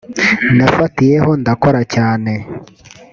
nafatiyeho ndakora cyane